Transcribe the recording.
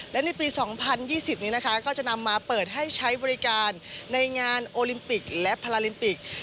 และในปี๒๐๒๐นี้นะคะก็จะนำมาเปิดให้ใช้บริการในงานโอลิมปิกและพาราลิมปิก